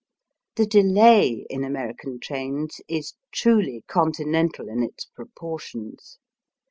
The delay in American trains is truly Con tinental in its proportions.